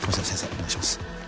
お願いします